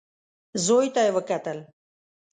زوی ته يې وکتل.